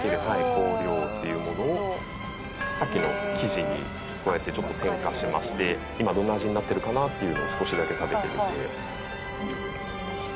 香料っていうものをさっきの生地にこうやってちょっと添加しまして今どんな味になってるかなっていうのを少しだけ食べてみて」